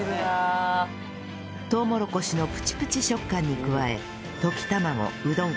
とうもろこしのプチプチ食感に加え溶き卵うどん